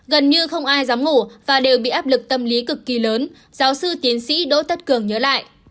gần như không ai dám ngủ và đều bị áp lực tâm lý cực kỳ lớn giáo sư tiến sĩ đỗ tất cường nhớ lại